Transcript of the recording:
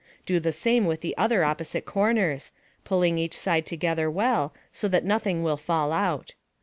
Do the same with the other opposite corners, pulling each side together well so that nothing will fall out.